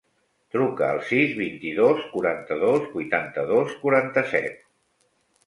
Truca al sis, vint-i-dos, quaranta-dos, vuitanta-dos, quaranta-set.